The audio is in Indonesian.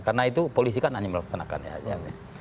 karena itu polisi kan hanya melaksanakannya saja